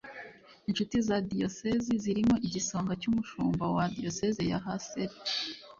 inshuti za diyosezi zirimo igisonga cy’umushumba wa diyosezi ya hasselt